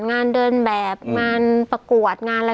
งานเดินแบบงานประกวดงานอะไร